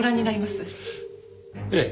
ええ。